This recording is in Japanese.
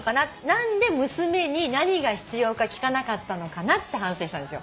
何で娘に何が必要か聞かなかったのかなって反省したんですよ。